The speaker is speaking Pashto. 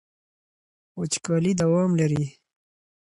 وچکالي دوام لري.